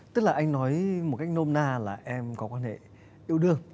tức là anh nói một cách nôm na là em có quan hệ yêu đương